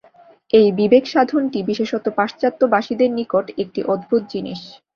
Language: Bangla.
এই বিবেক-সাধনটি বিশেষত পাশ্চাত্যবাসীদের নিকট একটি অদ্ভুত জিনিষ।